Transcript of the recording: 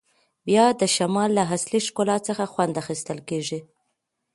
بیا د شمال له اصلي ښکلا څخه خوند اخیستل کیږي